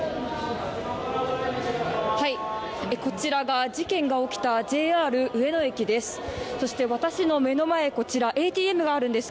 こちらが事件が起きたＪＲ上野駅です。